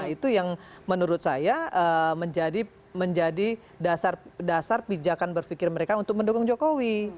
itu yang menurut saya menjadi dasar pijakan berpikir mereka untuk mendukung jokowi